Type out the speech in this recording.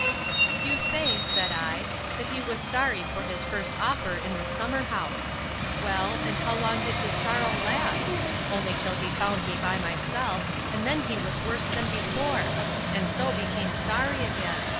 You say, said I, that he was sorry for his first offer in the summer house. Well, and how long did his sorrow last?—Only till he found me by myself; and then he was worse than before: and so became sorry again.